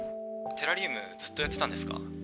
テラリウムずっとやってたんですか？